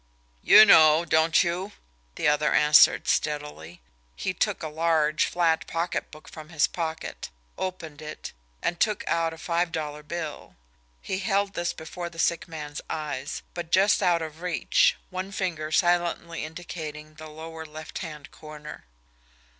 "You know, don't you?" the other answered steadily. He took a large, flat pocketbook from his pocket, opened it, and took out a five dollar bill. He held this before the sick man's eyes, but just out of reach, one finger silently indicating the lower left hand corner.